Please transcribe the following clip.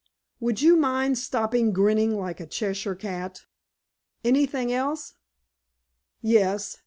Would you mind stopping grinning like a Cheshire cat?" "Anything else?" "Yes.